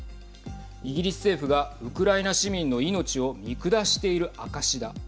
イギリス政府がウクライナ市民の命を見下している証しだ。